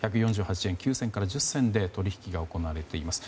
１４８円９銭から１０銭で取引が行われています。